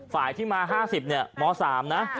ฝ่ายที่มา๕๐เนี่ยม๓นะ